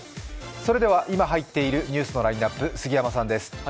それでは今入っているニュースのラインナップ、杉山さんです。